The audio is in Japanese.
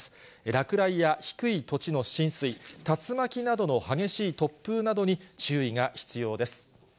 落雷や低い土地の浸水、竜巻などの激しい突風などに注意が必要です。